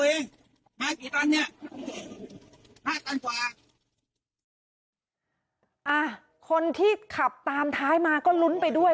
เองมากี่ตันเนี้ยห้าตันกว่าอ่าคนที่ขับตามท้ายมาก็รุ้นไปด้วย